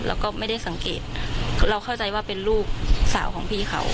เราก็ไม่ได้สังเกตเราเข้าใจว่าเป็นลูกสาวของพี่เขา